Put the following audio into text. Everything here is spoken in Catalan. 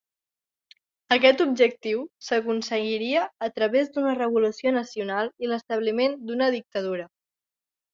Aquest objectiu s'aconseguiria a través d'una revolució nacional i l'establiment d'una dictadura.